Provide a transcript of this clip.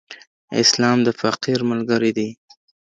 اسلام د فقیر ملګری دی.